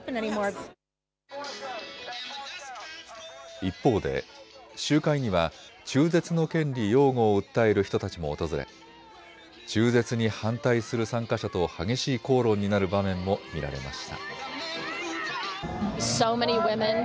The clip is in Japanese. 一方で集会には中絶の権利擁護を訴える人たちも訪れ中絶に反対する参加者と激しい口論になる場面も見られました。